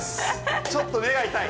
ちょっと目が痛い。